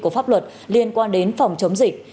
của pháp luật liên quan đến phòng chống dịch